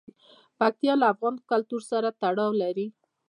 پکتیا د افغان کلتور سره تړاو لري.